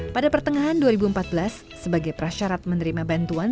pada pertengahan dua ribu empat belas sebagai prasyarat menerima bantuan